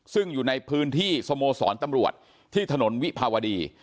ซึ่งอยู่ในพื้นที่สโมสรตำรวจที่ถนนวิภาวดี